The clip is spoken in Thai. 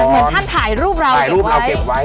เหมือนท่านถ่ายรูปเราเก็บไว้